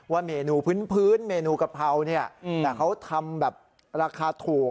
เมนูพื้นเมนูกะเพราเนี่ยแต่เขาทำแบบราคาถูก